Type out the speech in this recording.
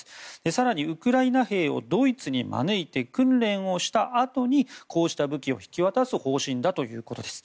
更に、ウクライナ兵をドイツに招いて訓練をしたあとにこうした武器を引き渡す方針だということです。